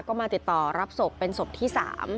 ก็มาติดต่อรับศพเป็นศพที่๓